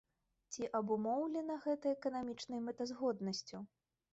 Ці абумоўлена гэта эканамічнай мэтазгоднасцю?